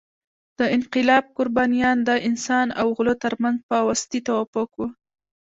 د انقلاب قربانیان د انسان او غلو تر منځ فاوستي توافق وو.